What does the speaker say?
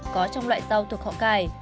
có trong loại rau thuộc họ cải